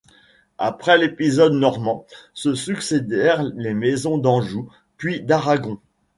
Après l'épisode normand, se succédèrent les maisons d'Anjou, puis d'Aragon.